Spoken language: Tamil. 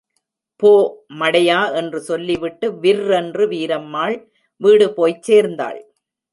போ, மடையா என்று சொல்லிவிட்டு விர்ரென்று வீரம்மாள் வீடு போய்ச் சேர்ந்தாள்.